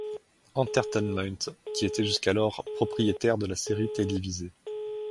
Entertainment, qui était jusqu'alors propriétaire de la série télévisée.